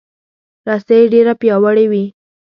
رسۍ ډیره پیاوړې وي.